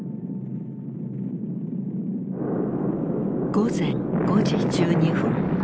午前５時１２分。